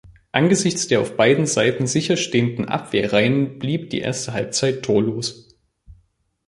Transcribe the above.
Angesichts der auf beiden Seiten sicher stehenden Abwehrreihen blieb die erste Halbzeit torlos.